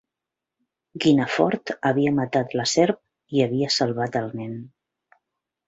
Guinefort havia matat la serp i havia salvat el nen.